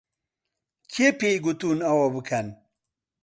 کێ پێی گوتوون ئەوە بکەن؟